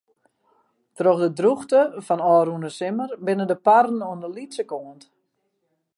Troch de drûchte fan ôfrûne simmer binne de parren oan de lytse kant.